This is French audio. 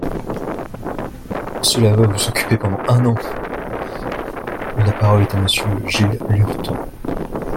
Cela va vous occuper pendant un an ! La parole est à Monsieur Gilles Lurton.